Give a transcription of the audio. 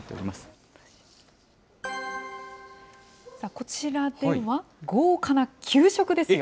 こちらでは、豪華な給食ですよ。